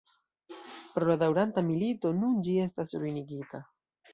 Pro la daŭranta milito nun ĝi estas ruinigita.